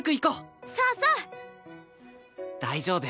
大丈夫。